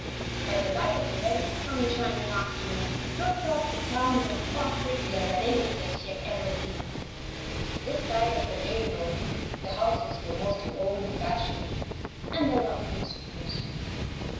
By the light of the very sunshiny afternoon Ruth thought the town looked far prettier than any place she had ever seen. This side of the railroad the houses were mostly old fashioned, and there were few stores.